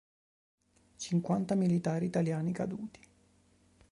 Cinquanta militari italiani caduti.